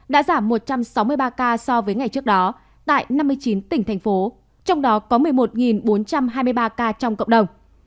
đã giảm một trăm sáu mươi ba ca so với ngày trước đó tại năm mươi chín tỉnh thành phố trong đó có một mươi một bốn trăm hai mươi ba ca trong cộng đồng